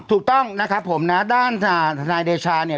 ถูกต้องนะครับผมนะด้านทนายเดชาเนี่ย